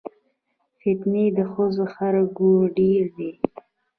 فتنې د ښځو هر ګوره ډېرې دي